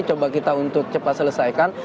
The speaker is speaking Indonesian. coba kita untuk cepat selesaikan